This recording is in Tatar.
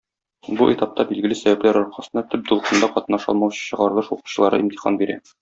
Бу этапта билгеле сәбәпләр аркасында төп дулкында катнаша алмаучы чыгарылыш укучылары имтихан бирә.